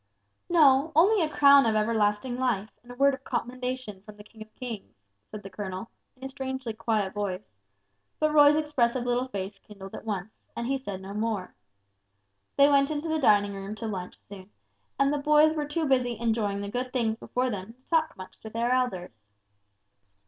"No, only a crown of everlasting life, and a word of commendation from the King of Kings," said the colonel, in a strangely quiet voice; but Roy's expressive little face kindled at once, and he said no more. They went into the dining room to lunch soon, and the boys were too busy enjoying the good things before them to talk much to their elders.